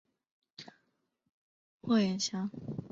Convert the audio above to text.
岩藿香为唇形科黄芩属下的一个种。